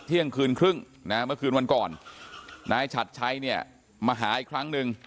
เมื่อคืนวันก่อนนายชัดชัยมาหาอีกครั้งนึง